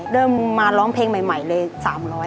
เริ่มมาร้องเพลงใหม่เลย๓๐๐บาท